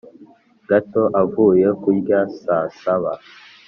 gato avuye kurya saa saba